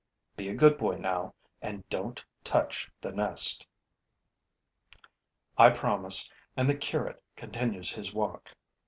Be a good boy, now, and don't touch the nest.' I promise and the curate continues his walk.